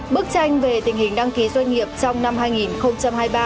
bức tranh về tình hình đăng ký doanh nghiệp trong năm hai nghìn hai mươi ba